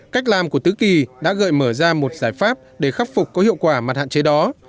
cách làm của tứ kỳ đã gợi mở ra một giải pháp để khắc phục có hiệu quả mặt hạn chế đó